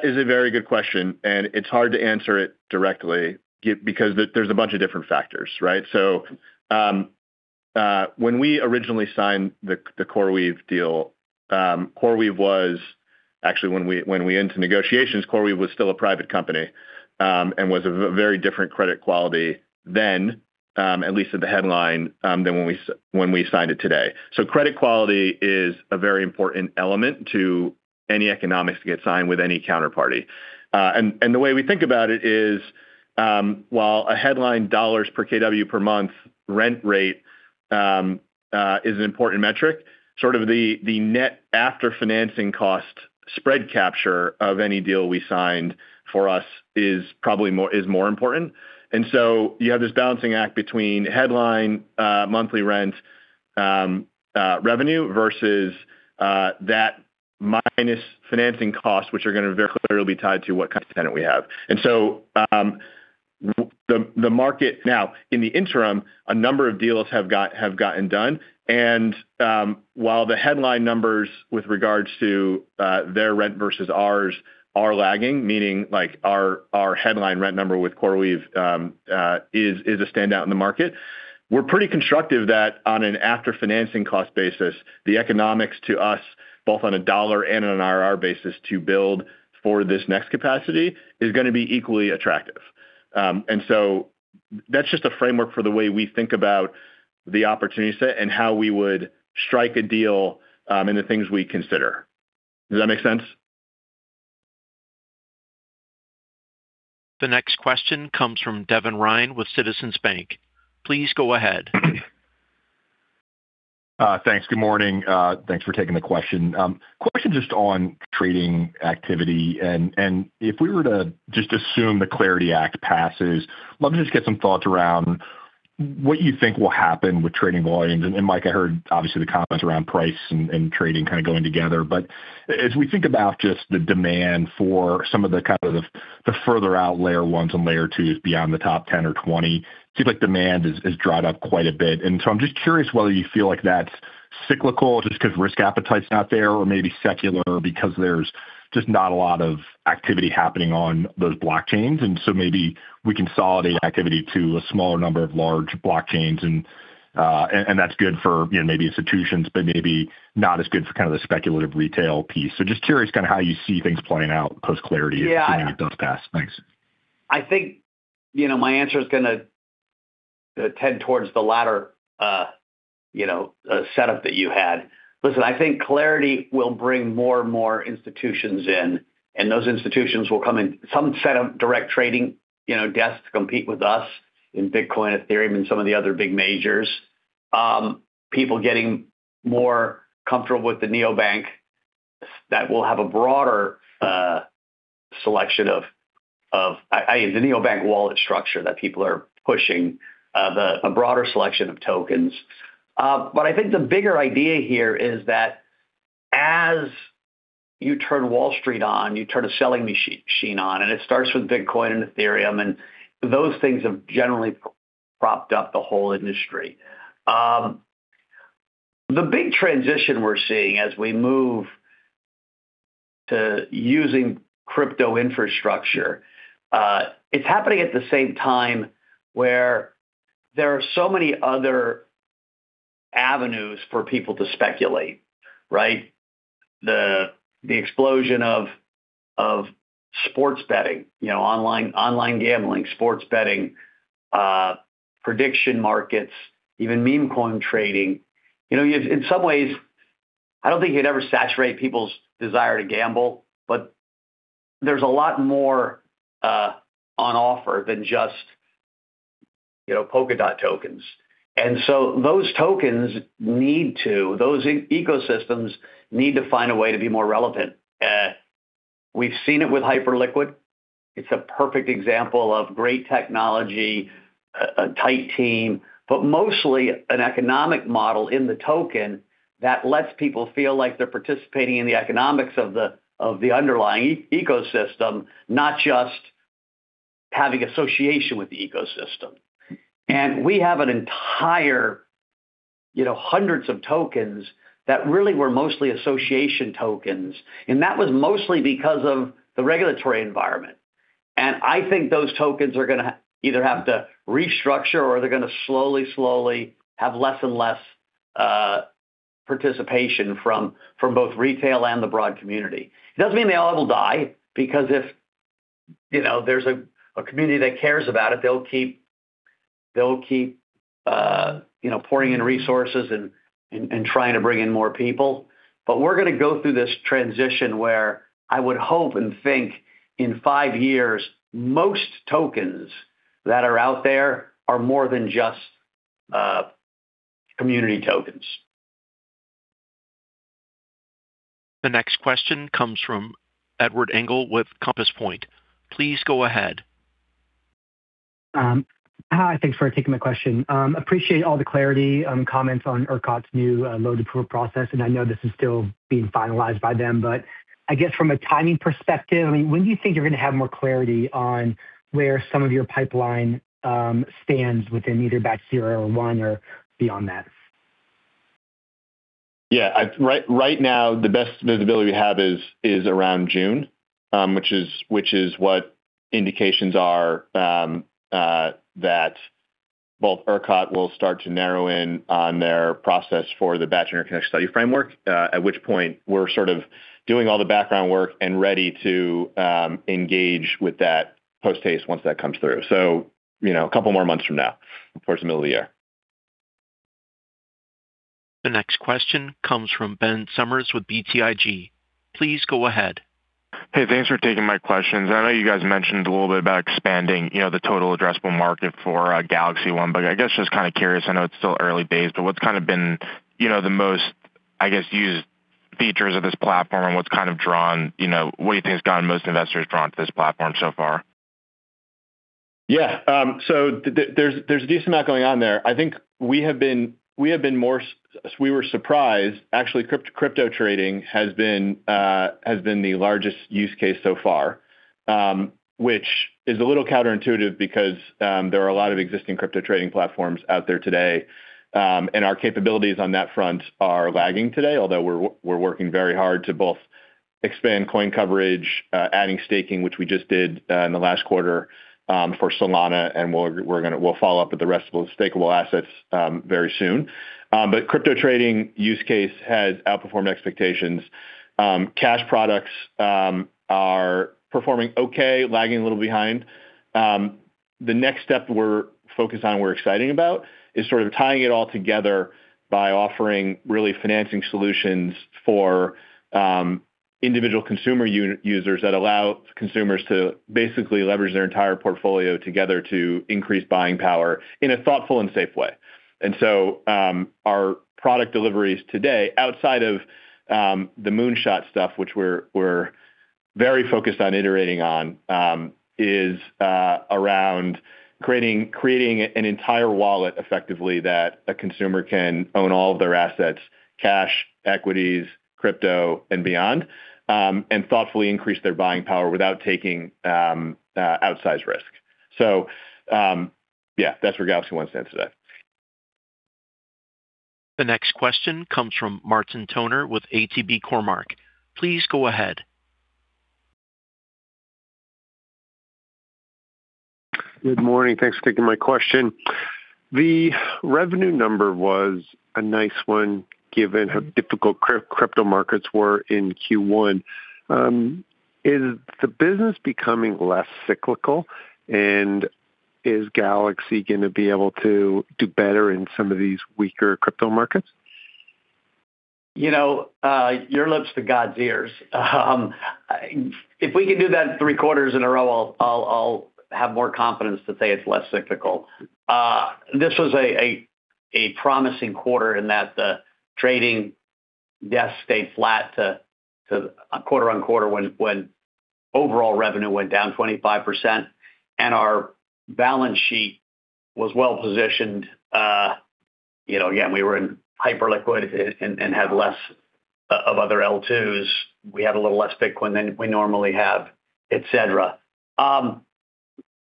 is a very good question, and it's hard to answer it directly because there's a bunch of different factors, right? When we originally signed the CoreWeave deal, CoreWeave was still a private company, and was a very different credit quality then, at least at the headline, than when we signed it today. Credit quality is a very important element to any economics to get signed with any counterparty. And the way we think about it is, while a headline dollars per kW per month rent rate is an important metric, sort of the net after financing cost spread capture of any deal we signed for us is more important. You have this balancing act between headline, monthly rent, revenue versus that minus financing costs, which are gonna very clearly be tied to what kind of tenant we have. Now, in the interim, a number of deals have gotten done. While the headline numbers with regards to their rent versus ours are lagging, meaning like our headline rent number with CoreWeave is a standout in the market, we're pretty constructive that on an after-financing cost basis, the economics to us, both on a dollar and on an RR basis to build for this next capacity is gonna be equally attractive. That's just a framework for the way we think about the opportunity set and how we would strike a deal, and the things we consider. Does that make sense? The next question comes from Devin Ryan with Citizens Bank. Please go ahead. Thanks. Good morning. Thanks for taking the question. Question just on trading activity. If we were to just assume the Clarity Act passes, love to just get some thoughts around what you think will happen with trading volumes. Mike, I heard obviously the comments around price and trading kind of going together. As we think about just the demand for some of the kind of the further out layer ones and layer twos beyond the top 10 or 20, seems like demand is dried up quite a bit. I'm just curious whether you feel like that's cyclical just 'cause risk appetite's not there, or maybe secular because there's just not a lot of activity happening on those blockchains. Maybe we consolidate activity to a smaller number of large blockchains and that's good for, you know, maybe institutions, but maybe not as good for kind of the speculative retail piece. Just curious kinda how you see things playing out post-Clarity-? Yeah. assuming it does pass. Thanks. I think, you know, my answer is gonna tend towards the latter, you know, setup that you had. Listen, I think Clarity will bring more and more institutions in, and those institutions will come in some set of direct trading, you know, desks to compete with us in Bitcoin, Ethereum, and some of the other big majors. People getting more comfortable with the neobank that will have a broader selection as a neobank wallet structure that people are pushing, a broader selection of tokens. I think the bigger idea here is that as you turn Wall Street on, you turn a selling machine on, and it starts with Bitcoin and Ethereum, and those things have generally propped up the whole industry. The big transition we're seeing as we move to using crypto infrastructure, it's happening at the same time where there are so many other avenues for people to speculate, right? The explosion of sports betting, you know, online gambling, sports betting, prediction markets, even meme coin trading. You know, in some ways, I don't think you'd ever saturate people's desire to gamble. There's a lot more on offer than just, you know, Polkadot tokens. Those ecosystems need to find a way to be more relevant. We've seen it with Hyperliquid. It's a perfect example of great technology, a tight team, but mostly an economic model in the token that lets people feel like they're participating in the economics of the underlying ecosystem, not just having association with the ecosystem. We have an entire, you know, hundreds of tokens that really were mostly association tokens, and that was mostly because of the regulatory environment. I think those tokens are gonna either have to restructure or they're gonna slowly have less and less participation from both retail and the broad community. It doesn't mean they all will die, because if, you know, there's a community that cares about it, they'll keep, you know, pouring in resources and trying to bring in more people. We're gonna go through this transition where I would hope and think in five years, most tokens that are out there are more than just community tokens. The next question comes from Ed Engel with Compass Point. Please go ahead. Hi. Thanks for taking my question. Appreciate all the clarity on comments on ERCOT's new load approval process. I know this is still being finalized by them. I guess from a timing perspective, I mean, when do you think you're gonna have more clarity on where some of your pipeline stands within either Batch 0 or one or beyond that? Yeah. Right now, the best visibility we have is around June, which is what indications are, that both ERCOT will start to narrow in on their process for the batch interconnection study framework, at which point we're sort of doing all the background work and ready to engage with that post-haste once that comes through. You know, a couple more months from now towards the middle of the year. The next question comes from Ben Soergers with BTIG. Please go ahead. Hey, thanks for taking my questions. I know you guys mentioned a little bit about expanding, you know, the total addressable market for GalaxyOne. I guess just kinda curious, I know it's still early days, but what's kinda been, you know, the most, I guess, used features of this platform and what's kind of drawn, you know, what do you think has gotten most investors drawn to this platform so far? There's a decent amount going on there. I think we have been surprised. Actually, crypto trading has been the largest use case so far, which is a little counterintuitive because there are a lot of existing crypto trading platforms out there today. Our capabilities on that front are lagging today, although we're working very hard to both expand coin coverage, adding staking, which we just did in the last quarter, for Solana, and we'll follow up with the rest of those stakeable assets very soon. Crypto trading use case has outperformed expectations. Cash products are performing okay, lagging a little behind. The next step we're focused on, we're exciting about, is tying it all together by offering financing solutions for individual consumer users that allow consumers to basically leverage their entire portfolio together to increase buying power in a thoughtful and safe way. Our product deliveries today, outside of the moonshot stuff, which we're very focused on iterating on, is around creating an entire wallet effectively that a consumer can own all of their assets, cash, equities, crypto, and beyond, and thoughtfully increase their buying power without taking outsized risk. That's where GalaxyOne stands today. The next question comes from Martin Toner with ATB Capital Markets. Please go ahead. Good morning. Thanks for taking my question. The revenue number was a nice one, given how difficult crypto markets were in Q1. Is the business becoming less cyclical? Is Galaxy going to be able to do better in some of these weaker crypto markets? You know, your lips to God's ears. If we can do that three quarters in a row, I'll have more confidence to say it's less cyclical. This was a promising quarter in that the trading desk stayed flat quarter on quarter when overall revenue went down 25%, and our balance sheet was well-positioned. You know, again, we were in Hyperliquid and had less of other L2s. We had a little less Bitcoin than we normally have, et cetera.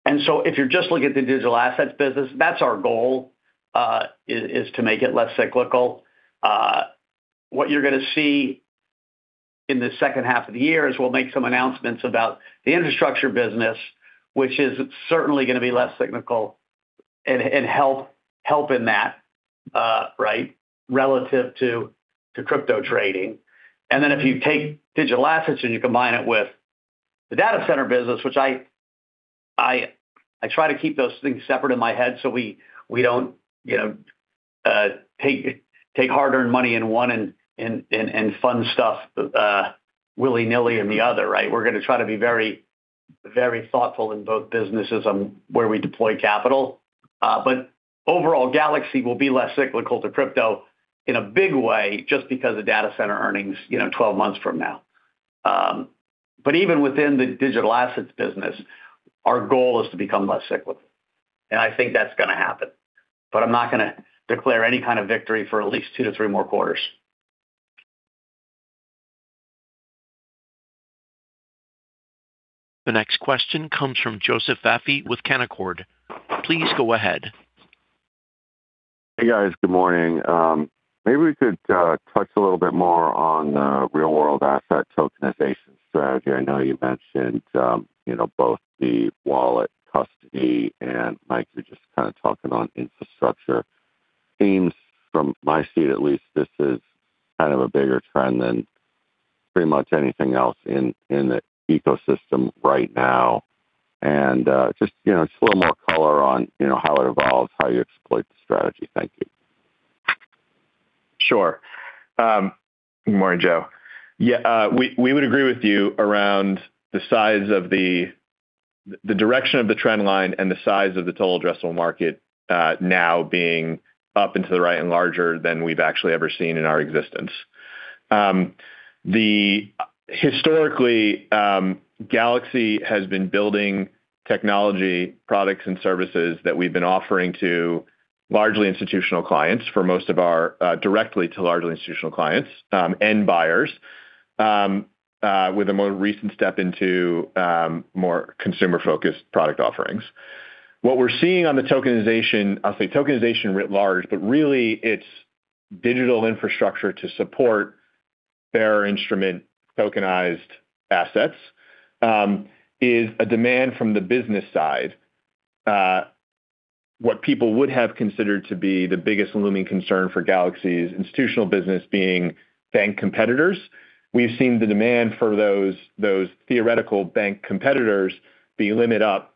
If you're just looking at the digital assets business, that's our goal, is to make it less cyclical. What you're gonna see in the second half of the year is we'll make some announcements about the infrastructure business, which is certainly gonna be less cyclical and help in that, relative to crypto trading. If you take digital assets and you combine it with the data center business. I try to keep those things separate in my head so we don't, you know, take hard-earned money in one and fun stuff willy-nilly in the other, right? We're gonna try to be very, very thoughtful in both businesses on where we deploy capital. Overall, Galaxy will be less cyclical to crypto in a big way just because of data center earnings, you know, 12 months from now. Even within the digital assets business, our goal is to become less cyclical, and I think that's gonna happen. I'm not gonna declare any kind of victory for at least two to three more quarters. The next question comes from Joseph Vafi with Canaccord. Please go ahead. Hey, guys. Good morning. Maybe we could touch a little bit more on the real-world asset tokenization strategy. I know you mentioned, you know, both the wallet custody, and Mike was just kind of touching on infrastructure themes. From my seat, at least, this is kind of a bigger trend than pretty much anything else in the ecosystem right now. Just, you know, just a little more color on, you know, how it evolves, how you exploit the strategy. Thank you. Sure. Good morning, Joe. We, we would agree with you around the size of the direction of the trend line and the size of the total addressable market, now being up into the right and larger than we've actually ever seen in our existence. Historically, Galaxy has been building technology products and services that we've been offering to largely institutional clients for most of our, directly to largely institutional clients, end buyers, with a more recent step into, more consumer-focused product offerings. What we're seeing on the tokenization, I'll say tokenization writ large, but really, it's digital infrastructure to support their instrument tokenized assets, is a demand from the business side. What people would have considered to be the biggest looming concern for Galaxy's institutional business being bank competitors. We've seen the demand for those theoretical bank competitors be limit up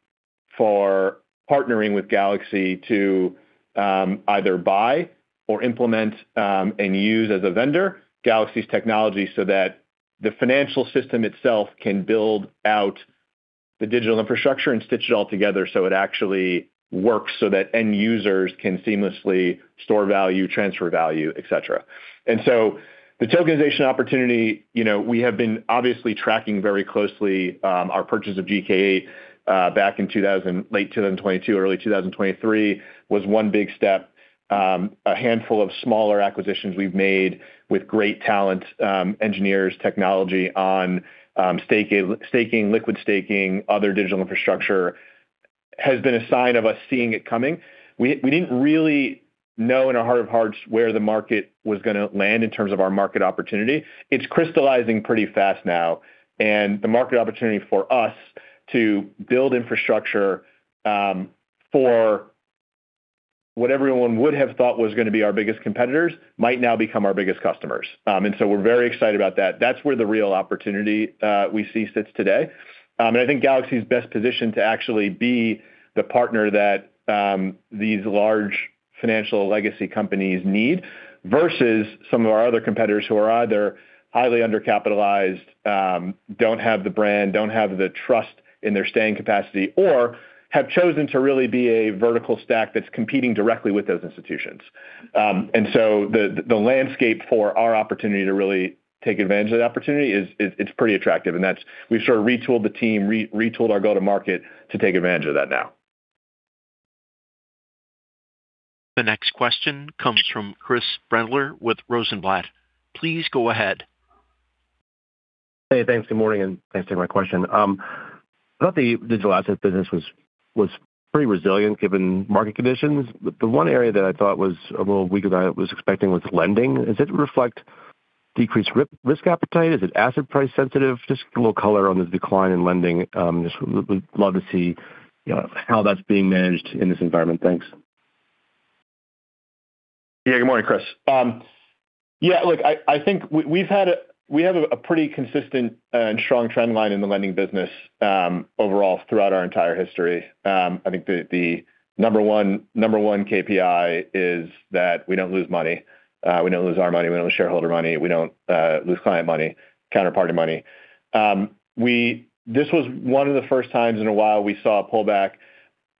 for partnering with Galaxy to either buy or implement and use as a vendor Galaxy's technology so that the financial system itself can build out the digital infrastructure and stitch it all together so it actually works so that end users can seamlessly store value, transfer value, et cetera. The tokenization opportunity, you know, we have been obviously tracking very closely, our purchase of GK8 back in late 2022, early 2023, was one big step. A handful of smaller acquisitions we've made with great talent, engineers, technology on staking, liquid staking, other digital infrastructure, has been a sign of us seeing it coming. We didn't really know in our heart of hearts where the market was gonna land in terms of our market opportunity. It's crystallizing pretty fast now, the market opportunity for us to build infrastructure for what everyone would have thought was gonna be our biggest competitors might now become our biggest customers. We're very excited about that. That's where the real opportunity we see sits today. I think Galaxy is best positioned to actually be the partner that these large financial legacy companies need versus some of our other competitors who are either highly undercapitalized, don't have the brand, don't have the trust in their staying capacity, or have chosen to really be a vertical stack that's competing directly with those institutions. The landscape for our opportunity to really take advantage of the opportunity is pretty attractive. We've sort of retooled the team, retooled our go-to-market to take advantage of that now. The next question comes from Chris Brendler with Rosenblatt. Please go ahead. Hey, thanks. Good morning, and thanks for taking my question. I thought the digital asset business was pretty resilient given market conditions. The one area that I thought was a little weaker than I was expecting was lending. Does it reflect decreased risk appetite? Is it asset price sensitive? Just a little color on the decline in lending. Just would love to see, you know, how that's being managed in this environment. Thanks. Good morning, Chris. Look, I think we have a pretty consistent and strong trend line in the lending business overall throughout our entire history. I think the number one KPI is that we don't lose money. We don't lose our money. We don't lose shareholder money. We don't lose client money, counterparty money. This was one of the first times in a while we saw a pullback.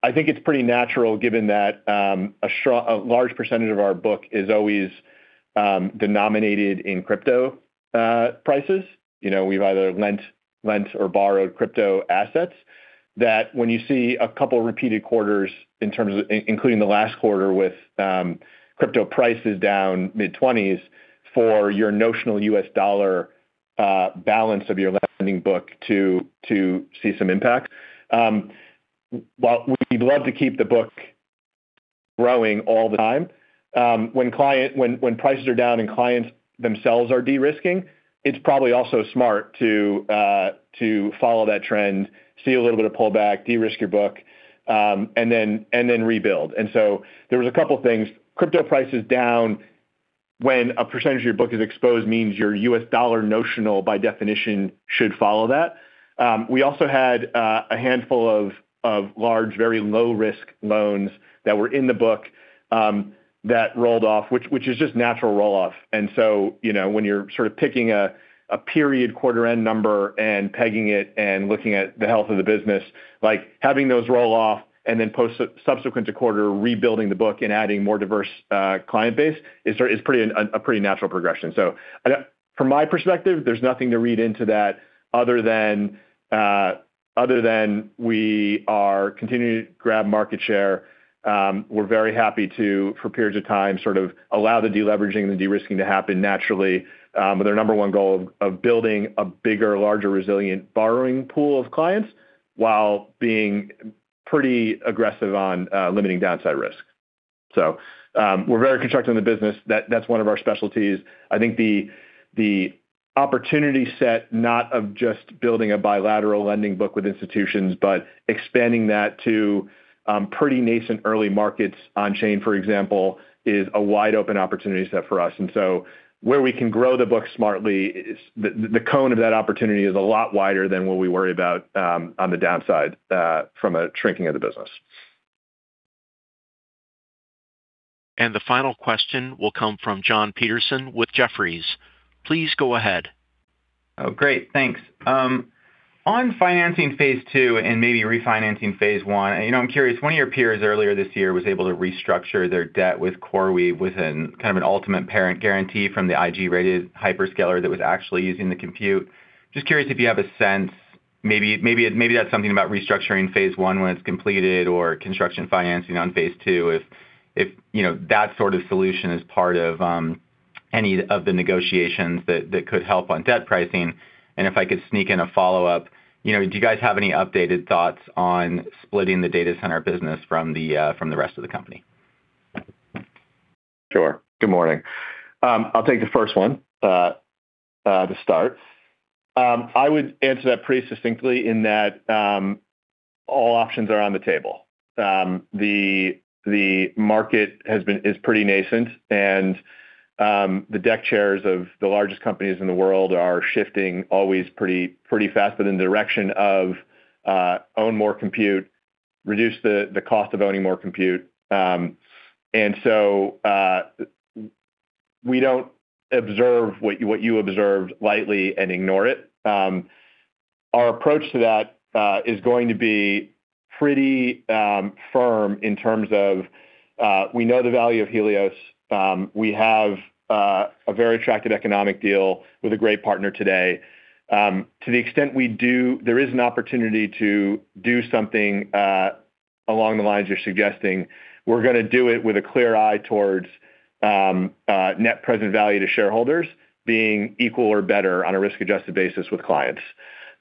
I think it's pretty natural given that a large percentage of our book is always denominated in crypto prices. You know, we've either lent or borrowed crypto assets, that when you see a couple repeated quarters in terms of, including the last quarter with crypto prices down mid-20s for your notional USD balance of your lending book to see some impact. While we'd love to keep the book growing all the time, when prices are down and clients themselves are de-risking, it's probably also smart to follow that trend, see a little bit of pullback, de-risk your book, and then rebuild. There was a couple things. Crypto prices down. When a percentage of your book is exposed means your USD notional by definition should follow that. We also had a handful of large, very low-risk loans that were in the book that rolled off, which is just natural roll-off. You know, when you're sort of picking a period quarter-end number and pegging it and looking at the health of the business, like having those roll-off and then subsequent to quarter rebuilding the book and adding more diverse client base is a pretty natural progression. From my perspective, there's nothing to read into that other than other than we are continuing to grab market share. We're very happy to, for periods of time, sort of allow the de-leveraging and the de-risking to happen naturally, with our number one goal of building a bigger, larger, resilient borrowing pool of clients while being pretty aggressive on limiting downside risk. We're very constructive in the business. That's one of our specialties. I think the opportunity set, not of just building a bilateral lending book with institutions but expanding that to pretty nascent early markets on chain, for example, is a wide-open opportunity set for us. Where we can grow the book smartly is the cone of that opportunity is a lot wider than what we worry about on the downside from a shrinking of the business. The final question will come from Jonathan Petersen with Jefferies. Please go ahead. Oh, great. Thanks. On financing Phase 2 and maybe refinancing Phase 1, you know, I'm curious, one of your peers earlier this year was able to restructure their debt with CoreWeave with an kind of an ultimate parent guarantee from the IG-rated hyperscaler that was actually using the compute. Just curious if you have a sense, maybe that's something about restructuring Phase 1 when it's completed or construction financing on Phase 2 if, you know, that sort of solution is part of any of the negotiations that could help on debt pricing. If I could sneak in a follow-up, you know, do you guys have any updated thoughts on splitting the data center business from the rest of the company? Sure. Good morning. I'll take the first one to start. I would answer that pretty succinctly in that all options are on the table. The market has been pretty nascent, and the deck chairs of the largest companies in the world are shifting always pretty fast but in the direction of own more compute, reduce the cost of owning more compute. We don't observe what you observed lightly and ignore it. Our approach to that is going to be pretty firm in terms of we know the value of Helios. We have a very attractive economic deal with a great partner today. To the extent we do, there is an opportunity to do something along the lines you're suggesting. We're gonna do it with a clear eye towards, net present value to shareholders being equal or better on a risk-adjusted basis with clients.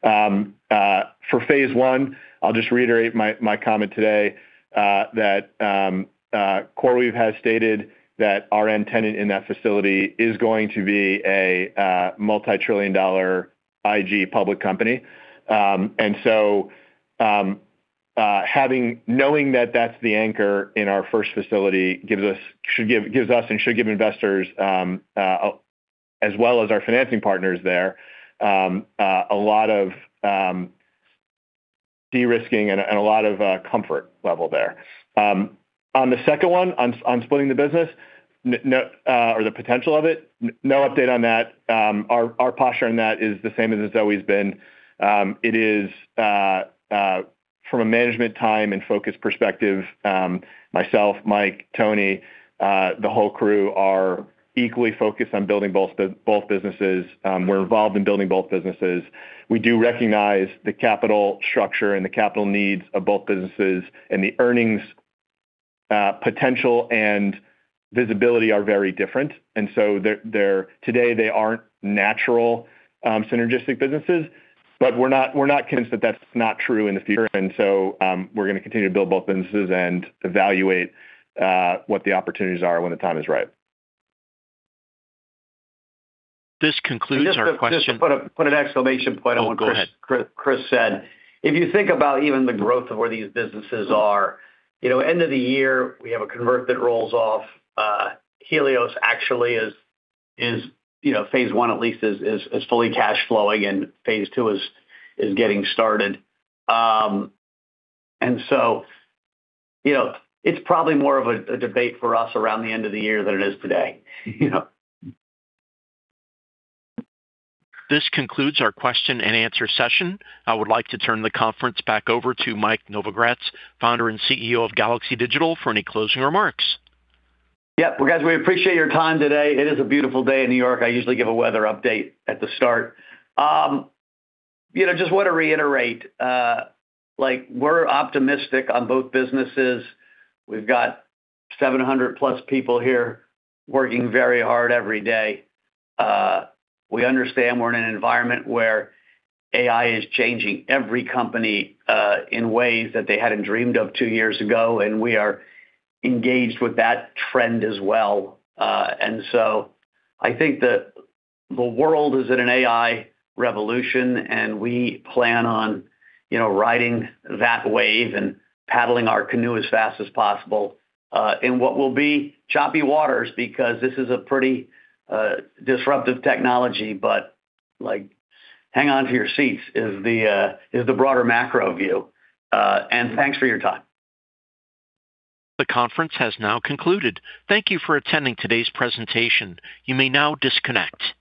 For Phase 1, I'll just reiterate my comment today, that CoreWeave has stated that our end tenant in that facility is going to be a multi-trillion-dollar IG public company. Knowing that that's the anchor in our first facility gives us and should give investors, as well as our financing partners there, a lot of de-risking and a lot of comfort level there. On the second one, on splitting the business, no update on that. Our posture on that is the same as it's always been. It is from a management time and focus perspective, myself, Mike, Tony, the whole crew are equally focused on building both businesses. We're involved in building both businesses. We do recognize the capital structure and the capital needs of both businesses, and the earnings potential and visibility are very different. Today, they aren't natural synergistic businesses, but we're not convinced that that's not true in the future. We're gonna continue to build both businesses and evaluate what the opportunities are when the time is right. This concludes our question-. Just to put an exclamation point on what Chris. Oh, go ahead.... Chris said, if you think about even the growth of where these businesses are, you know, end of the year, we have a convert that rolls off. Helios actually is, you know, Phase 1 at least is fully cash flowing and Phase 2 is getting started. You know, it's probably more of a debate for us around the end of the year than it is today, you know? This concludes our question-and-answer session. I would like to turn the conference back over to Mike Novogratz, Founder and CEO of Galaxy Digital, for any closing remarks. Yeah. Well, guys, we appreciate your time today. It is a beautiful day in New York. I usually give a weather update at the start. You know, just want to reiterate, like we're optimistic on both businesses. We've got 700 plus people here working very hard every day. We understand we're in an environment where AI is changing every company in ways that they hadn't dreamed of two years ago, and we are engaged with that trend as well. I think the world is in an AI revolution, and we plan on, you know, riding that wave and paddling our canoe as fast as possible in what will be choppy waters because this is a pretty disruptive technology. Like, hang on to your seats is the broader macro view. Thanks for your time. The conference has now concluded. Thank you for attending today's presentation. You may now disconnect.